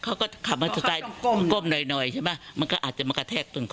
เขาก็ขับมอเตอร์ไซค์ก้มหน่อยใช่ปะมันก็อาจจะมากระแทกตรงคอ